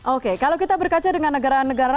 oke kalau kita berkaca dengan negara negara